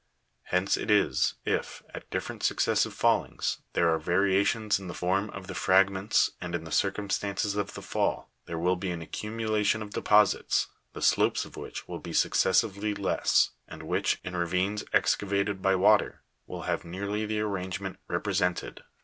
Hence it is, if, at different successive fallings, there are variations in the form of the fragments and in the circumstances of the fall, there will be an accumulation of deposits, the slopes of which will be succes sively less, and which, in ravines ^ excavated by water, will have nearly the arrrangement repre ^ sented, a, b, c, d, e, (fig.